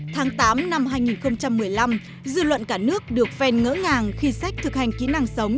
tháng tám năm hai nghìn một mươi năm dư luận cả nước được phen ngỡ ngàng khi sách thực hành kỹ năng sống